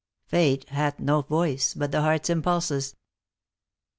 *' Fate hath no voice but the heart's impulsea."